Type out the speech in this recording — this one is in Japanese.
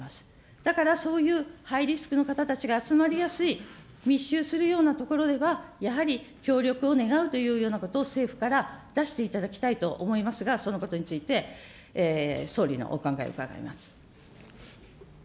だからそういうハイリスクの方たちが集まりやすい、密集するような所では、やはり協力を願うというようなことを政府から出していただきたいと思いますが、そのことについて、総理のお考えを伺います。